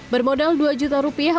bermodal dua juta rupiah